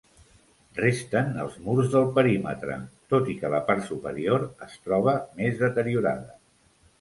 Resten els murs del perímetre, tot i que la part superior es troba més deteriorada.